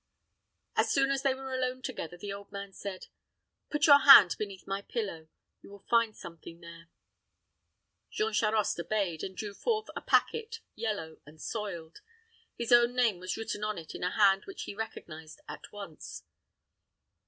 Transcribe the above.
As soon as they were alone together, the old man said, "Put your hand beneath my pillow. You will find something there." Jean Charost obeyed, and drew forth a packet, yellow and soiled. His own name was written on it in a hand which he recognized at once.